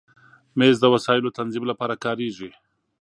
مېز د وسایلو تنظیم لپاره کارېږي.